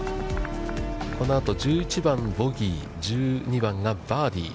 このあと、１１番ボギー、１２番がバーディー。